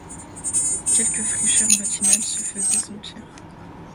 Quelques fraîcheurs matinales se faisaient sentir...